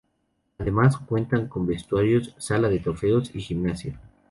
Además cuentan con vestuarios, sala de trofeos y gimnasio.